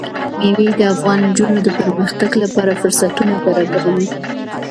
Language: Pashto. مېوې د افغان نجونو د پرمختګ لپاره فرصتونه برابروي.